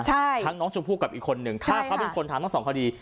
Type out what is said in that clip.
ใช่ทั้งน้องชมพูกับอีกคนนึงใช่ค่ะเขาเป็นคนถามทั้งสองคดี